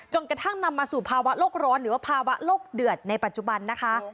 กระทั่งนำมาสู่ภาวะโลกร้อนหรือว่าภาวะโลกเดือดในปัจจุบันนะคะ